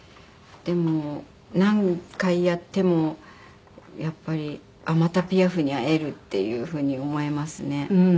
でも何回やってもやっぱりあっまたピアフに会えるっていう風に思えますね。